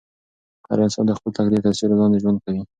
هر انسان د خپل تقدیر تر سیوري لاندې ژوند کوي.